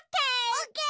オッケー。